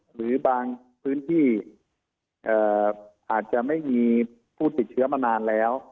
หรือบางพื้นที่อาจจะไม่มีผู้ติดเชื้อมานานแล้ว